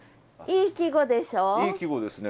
いい季語ですね。